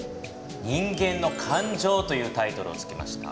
「人間の感情」というタイトルをつけました。